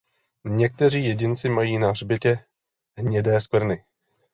Někteří jedinci mají na hřbetě hnědé skvrny.